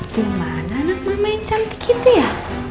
dimana anak mama yang cantik gitu ya